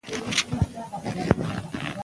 ناسم دودونه له ناپوهۍ راځي.